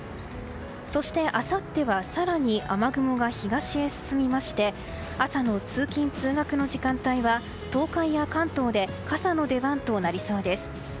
そして、あさっては更に雨雲が東へ進みまして朝の通勤・通学の時間帯は東海や関東で傘の出番となりそうです。